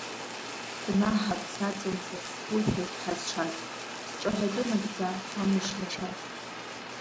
Гәнаҳак саҵамзар, суҳәоит, ҳазшаз, сҿаҳәатәы нагӡа, ҳамыш лашаз.